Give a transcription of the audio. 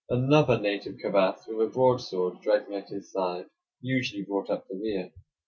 Another native cavass, with a broadsword dragging at his side, usually brought up the rear.